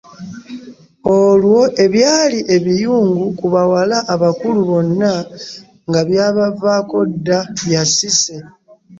Olwo ebyali ebiyungu ku bawala abakulu bonna nga byabavaako dda bya Cissy!